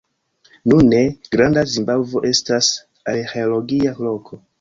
Nune, Granda Zimbabvo estas arĥeologia loko.